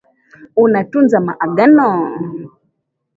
Unatunza maagano